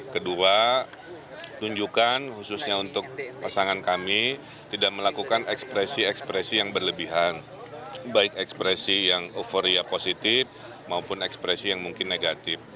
kedua tunjukkan khususnya untuk pasangan kami tidak melakukan ekspresi ekspresi yang berlebihan baik ekspresi yang euforia positif maupun ekspresi yang mungkin negatif